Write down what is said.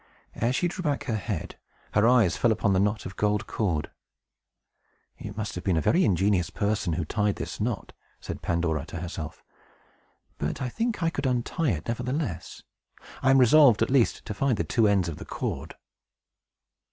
As she drew back her head, her eyes fell upon the knot of gold cord. "It must have been a very ingenious person who tied this knot," said Pandora to herself. "But I think I could untie it nevertheless. I am resolved, at least, to find the two ends of the cord."